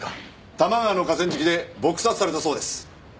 多摩川の河川敷で撲殺されたそうです。